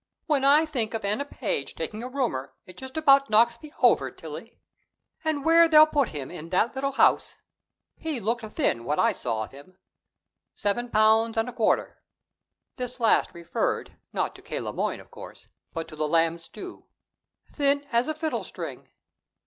"When I think of Anna Page taking a roomer, it just about knocks me over, Tillie. And where they'll put him, in that little house he looked thin, what I saw of him. Seven pounds and a quarter." This last referred, not to K. Le Moyne, of course, but to the lamb stew. "Thin as a fiddle string."